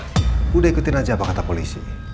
sudah ikutin aja apa kata polisi